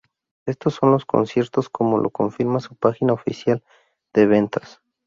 Estos son los conciertos como lo confirma su página oficial de ventas.